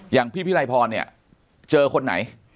อย่างพี่พี่ไรพรเจอคนไหน